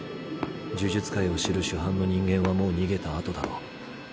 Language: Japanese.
呪術界を知る主犯の人間はもう逃げたあとだろう。